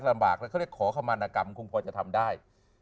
ลำบากแล้วเขาเรียกขอขมารณกรรมคงพอจะทำได้